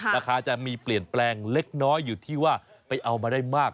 ราคาจะมีเปลี่ยนแปลงเล็กน้อยอยู่ที่ว่าไปเอามาได้มาก